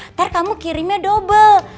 ntar kamu kirimnya dobel